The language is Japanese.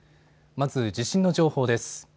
まず地震の情報です。